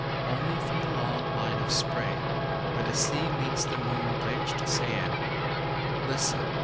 Only, from the long line of sprayWhere the sea meets the moon blanch'd sand, Listen!